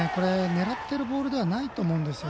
狙ってるボールではないと思うんです。